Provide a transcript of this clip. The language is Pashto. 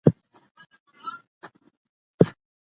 ایا دا کوټه په رښتیا ډېره تیاره ده؟